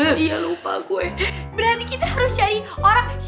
berani kita harus cari orang siapa yang mau dengerin kita ya lo mikir dong sekali kali